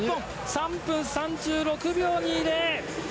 ３分３６秒２０。